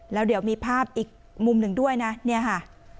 แล้วเดี๋ยวมีภาพอีกมุมหนึ่งด้วยนะเนี่ยค่ะ